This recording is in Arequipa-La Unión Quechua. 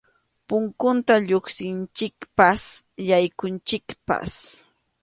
Punkunta lluqsinchikpas yaykunchikpas.